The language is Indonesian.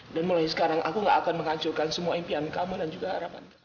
dan mulai sekarang aku gak akan menghancurkan semua impian kamu dan juga harapan kamu